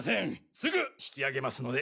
すぐ引きあげますので。